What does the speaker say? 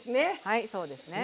はいそうですね。